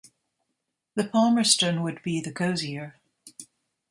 The Palmerston would be the cosier.